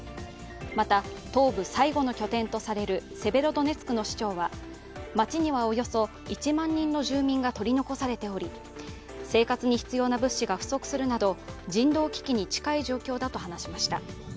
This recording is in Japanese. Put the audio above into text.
また、東部最後の拠点とされるセベロドネツクの市長は、街にはおよそ１万人の住民が取り残されており、生活に必要な物資が不足するなど人道危機に近い状況だと話しました。